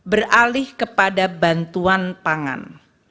beralih kepada bantuan pangan